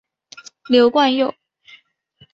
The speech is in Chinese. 刘冠佑。